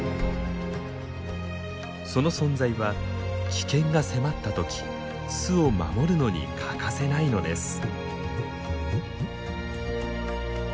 その存在は危険が迫った時巣を守るのに欠かせないのです。